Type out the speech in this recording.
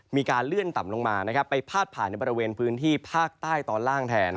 มีการเลื่อนต่ำลงมาไปพาดผ่านในบริเวณพื้นที่ภาคใต้ตอนล่างแทน